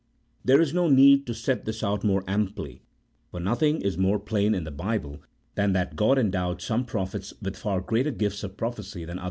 There is no need to set this out more amply, for nothing is more plain in the Bible than that God endowed some prophets with far greater gifts of prophecy than others.